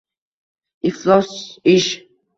–Iflos ish?…